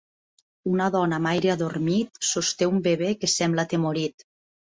Una dona amb aire adormit sosté un bebè que sembla atemorit.